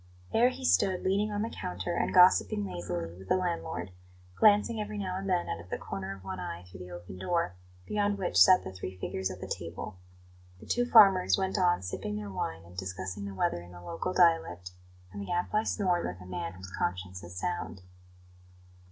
There he stood leaning on the counter and gossiping lazily with the landlord, glancing every now and then out of the corner of one eye through the open door, beyond which sat the three figures at the table. The two farmers went on sipping their wine and discussing the weather in the local dialect, and the Gadfly snored like a man whose conscience is sound.